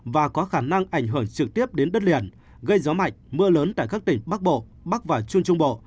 và có khả năng ảnh hưởng trực tiếp đến đất liền gây gió mạnh mưa lớn tại các tỉnh bắc bộ bắc và trung trung bộ